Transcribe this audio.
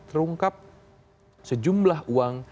terungkap sejumlah uang